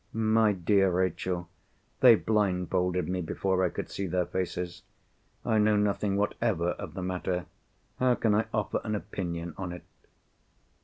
"My dear Rachel, they blindfolded me before I could see their faces. I know nothing whatever of the matter. How can I offer an opinion on it?"